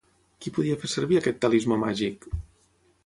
Qui podia fer servir aquest talismà màgic?